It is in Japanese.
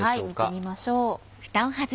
見てみましょう。